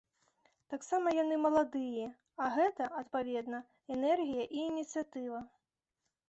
Таксама яны маладыя, а гэта, адпаведна, энергія і ініцыятыва.